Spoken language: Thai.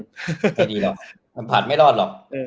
ไม่ดีหรอกมันผ่านไม่รอดหรอก